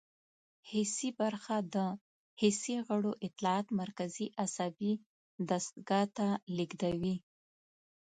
حسي برخه د حسي غړو اطلاعات مرکزي عصبي دستګاه ته لیږدوي.